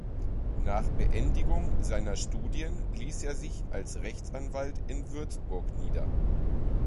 Nach Beendigung seiner Studien ließ er sich als Rechtsanwalt in Würzburg nieder.